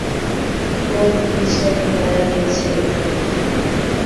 খোদ মিচেল মারা গেছে এখানে!